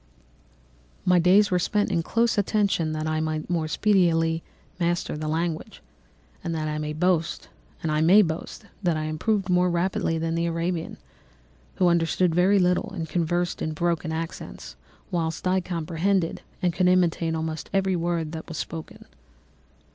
"My days were spent in close attention, that I might more speedily master the language; and I may boast that I improved more rapidly than the Arabian, who understood very little and conversed in broken accents, whilst I comprehended and could imitate almost every word that was spoken.